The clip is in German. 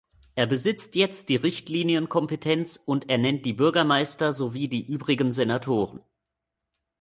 Er besitzt jetzt die Richtlinienkompetenz und ernennt die Bürgermeister sowie die übrigen Senatoren.